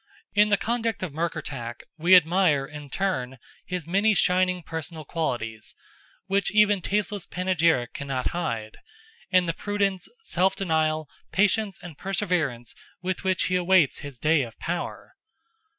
In the conduct of Murkertach, we admire, in turn, his many shining personal qualities, which even tasteless panegyric cannot hide, and the prudence, self denial, patience, and preservance with which he awaits his day of power.